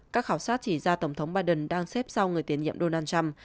các khảo sát chỉ ra tổng thống biden đang xếp sau người tiến nhiệm donald trump